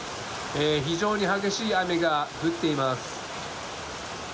非常に激しい雨が降っています。